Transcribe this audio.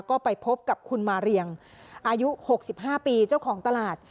ก็ไปพบกับคุณมาเรียงอายุ๖๕ปีเจ้าของตลาด